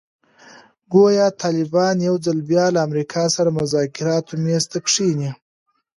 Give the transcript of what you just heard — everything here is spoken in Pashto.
ګویا طالبان یو ځل بیا له امریکا سره مذاکراتو میز ته کښېني.